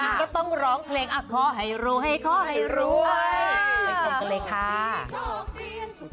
ก็ต้องร้องเพลงอะขอให้รวยขอให้รวย